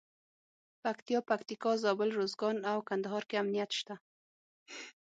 پکتیا، پکتیکا، زابل، روزګان او کندهار کې امنیت شته.